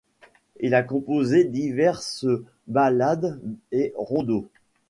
Il a composé diverses ballades et rondeaux.